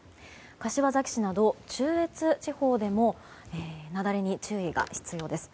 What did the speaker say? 柏崎市など中越地方でも雪崩に注意が必要です。